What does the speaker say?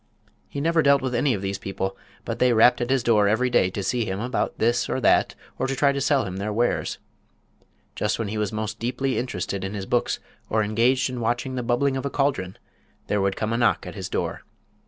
He never dealt with any of these people; but they rapped at his door every day to see him about this or that or to try to sell him their wares. Just when he was most deeply interested in his books or engaged in watching the bubbling of a cauldron there would come a knock at his door.